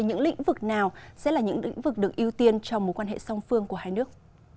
những lĩnh vực nào sẽ là những lĩnh vực được ưu tiên cho mối quan hệ song phương của hai nước